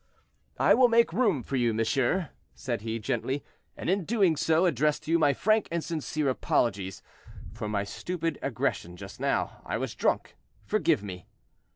"I will make room for you, monsieur," said he, gently; "and in doing so address to you my frank and sincere apologies for my stupid aggression just now; I was drunk; forgive me."